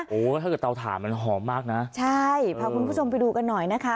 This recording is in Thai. โอ้โหถ้าเกิดเตาถ่านมันหอมมากนะใช่พาคุณผู้ชมไปดูกันหน่อยนะคะ